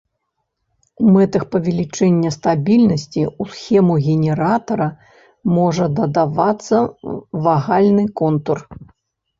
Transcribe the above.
У мэтах павелічэння стабільнасці ў схему генератара можа дадавацца вагальны контур.